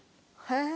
「へえ」